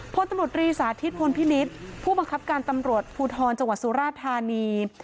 พลตำรวจรีสาธิตพลพินิษฐ์ผู้บังคับการตำรวจภูทรจังหวัดสุราธานี